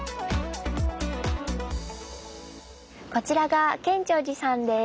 こちらが建長寺さんです。